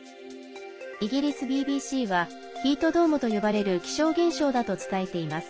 イギリスＢＢＣはヒートドームと呼ばれる気象現象だと伝えています。